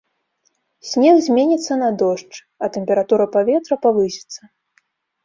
Снег зменіцца на дождж, а тэмпература паветра павысіцца.